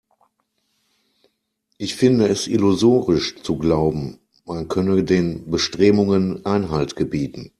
Ich finde es illusorisch zu glauben, man könne den Bestrebungen Einhalt gebieten.